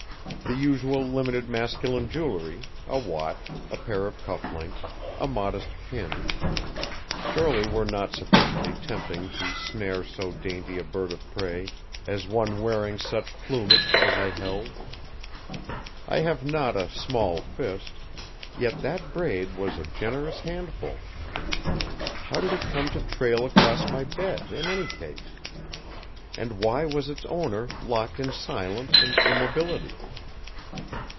The usual limited masculine jewelry a watch, a pair of cuff links, a modest pin surely were not sufficiently tempting to snare so dainty a bird of prey as one wearing such plumage as I held. I have not a small fist, yet that braid was a generous handful. How did it come to trail across my bed, in any case? And why was its owner locked in silence and immobility?